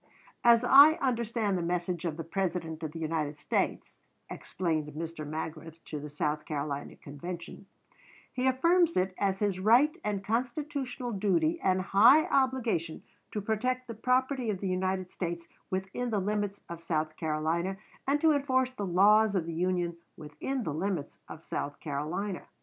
"As I understand the message of the President of the United States," explained Mr. Magrath to the South Carolina Convention, "he affirms it as his right, and constitutional duty, and high obligation to protect the property of the United States within the limits of South Carolina, and to enforce the laws of the Union within the limits of South Carolina.